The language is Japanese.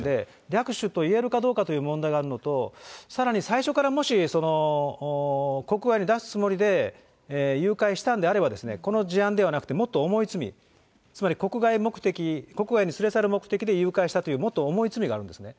略取といえるかという問題があるのと、さらに最初からもし国外に出すつもりで誘拐したんであれば、この事案ではなくて、もっと重い罪、つまり国外に連れ去る目的で誘拐したという、もっと重い罪があるんですね。